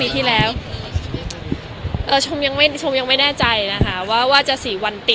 คือชุดก็ทั้งตั้งต้องเตรียมให้หมดเลยจริง